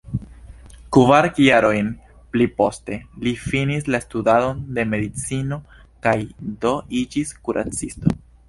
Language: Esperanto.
Kvar jarojn pli poste, li finis la studadon de medicino kaj do iĝis kuracisto.